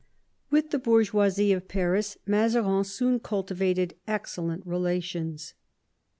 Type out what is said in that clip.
With the hov/rgeoisie of Paris Mazarin soon cultivated excellent relations.